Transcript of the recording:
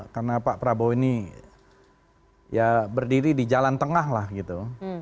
karena pak prabowo ini ya berdiri di jalan tengah lah gitu